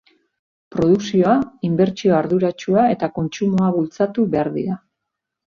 Produkzioa, inbertsio arduratsua eta kontsumoa bultzatu behar dira.